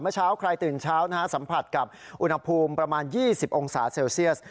เช้าใครตื่นเช้าสัมผัสกับอุณหภูมิประมาณ๒๐องศาเซลเซียส